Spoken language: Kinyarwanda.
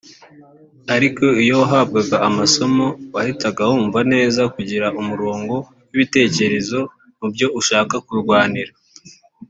ariko iyo wahabwaga amasomo wahitaga wumva neza kugira umurongo w’ibitekerezo mu byo ushaka kurwanira